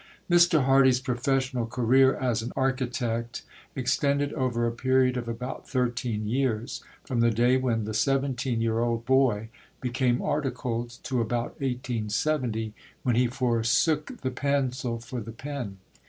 Mr. Hardy's professional career as an architect extended over a period of about thirteen years, from the day when the seventeen year old boy became articled, to about 1870, when he forsook the pencil for the pen.